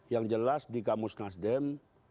yang jelas di kamus nasdem